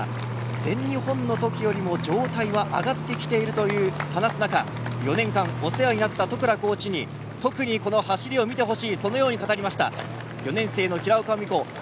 全日本のときよりも状態が上がってきていると話す中４年間お世話になった十倉コーチに特にこの走りを見てほしいと語りました。